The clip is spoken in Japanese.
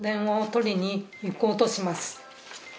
「取りに行こうとします」